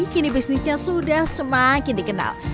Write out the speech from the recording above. kini bisnisnya sudah semakin dikenal